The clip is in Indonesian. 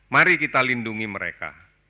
mari kita lindungi mereka